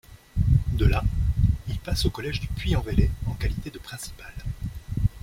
De là, il passe au collège du Puy-en-Velay en qualité de principal.